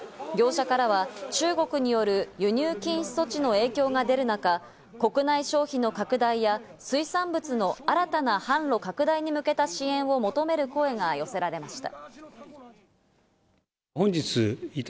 業者からは、中国による輸入禁止措置の影響が出る中、国内消費の拡大や水産物の新たな販路拡大に向けた支援を求める声が寄せられました。